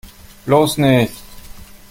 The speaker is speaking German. Bloß nicht!